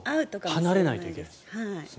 離れないといけない。